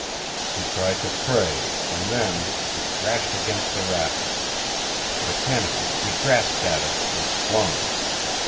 He tried to pray and then he crashed against the rafter. Mechanically he grasped at it and clung.